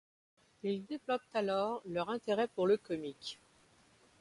Ils développent alors leur intérêt pour le comique.